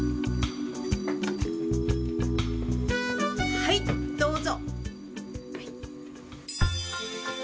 はいどうぞ。